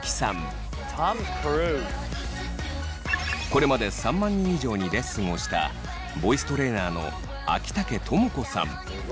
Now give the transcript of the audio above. これまで３万人以上にレッスンをしたボイストレーナーの秋竹朋子さん。